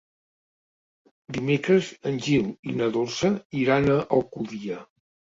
Dimecres en Gil i na Dolça iran a l'Alcúdia.